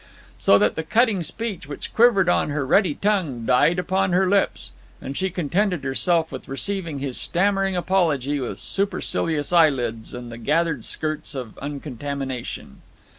So that the cutting speech which quivered on her ready tongue died upon her lips, and she contented herself with receiving his stammering apology with supercilious eyelids and the gathered skirts of uncontamination.